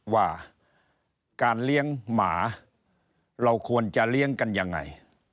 ว่าการเลี้ยงหมาเราควรจะเลี้ยงกันยังไง